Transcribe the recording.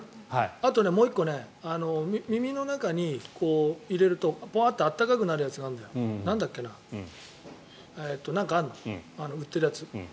あと、もう１個耳の中に入れるとぽわーって温かくなるがつがあるんだよ。なんかあるの、売ってるやつ。